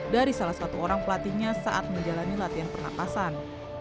dari salah satu orang pelatihnya saat menjalani latihan pernapasan